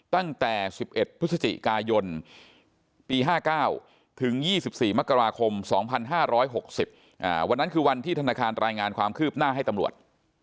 ตั้งแต่๑๑พฤศจิกายนปี๕๙ถึง๒๔มกราคม๒๕๖๐วันนั้นคือวันที่ธนาคารรายงานความคืบหน้าให้ตำรวจ